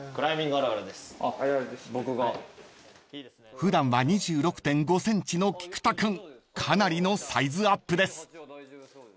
［普段は２６．５ｃｍの菊田君かなりのサイズアップです］